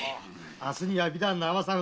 明日には美談の尼さん